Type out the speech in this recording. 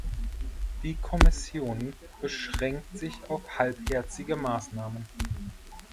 Die Kommission beschränkt sich auf halbherzige Maßnahmen.